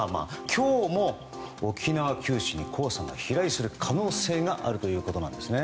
今日も沖縄、九州に黄砂が飛来する可能性があるということなんですね。